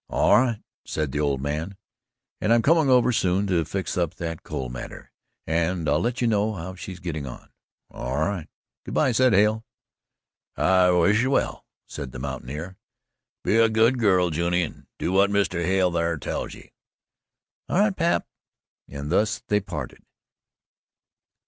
"All right," said the old man. "And I'm coming over soon to fix up that coal matter, and I'll let you know how she's getting on." "All right." "Good by," said Hale. "I wish ye well," said the mountaineer. "Be a good girl, Juny, and do what Mr. Hale thar tells ye." "All right, pap." And thus they parted.